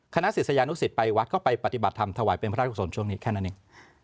ศิษยานุสิตไปวัดก็ไปปฏิบัติธรรมถวายเป็นพระราชกุศลช่วงนี้แค่นั้นเอง